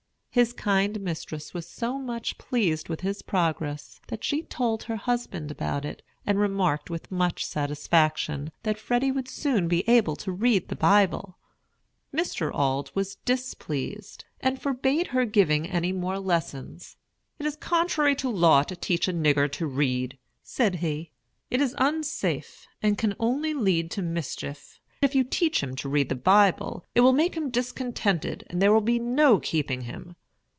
His kind mistress was so much pleased with his progress, that she told her husband about it, and remarked, with much satisfaction, that Freddy would soon be able to read the Bible. Mr. Auld was displeased, and forbade her giving any more lessons. "It is contrary to law to teach a nigger to read," said he. "It is unsafe, and can only lead to mischief. If you teach him to read the Bible, it will make him discontented, and there will be no keeping him.